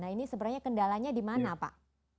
nah ini sebenarnya kendalanya di mana pak